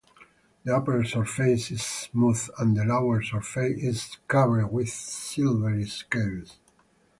The upper surface is smooth and the lower surface is covered with silvery scales.